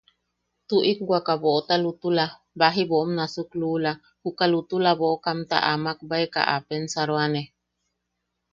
Tuʼik waka boʼota lutula, baji boʼom nasuk luula, juka lutula boʼokamta a makbaeka a pensaroane.